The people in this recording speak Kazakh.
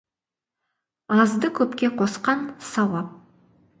Азды көпке қосқан сауап.